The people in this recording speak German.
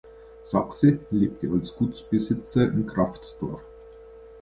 Sachse lebte als Gutsbesitzer in Kraftsdorf.